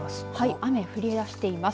雨、降りだしています。